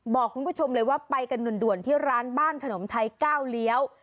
บอกคุณผู้ชมเลยว่าไปกันด่วนที่ร้านบ้านขนมไทยก้าวเลี้ยว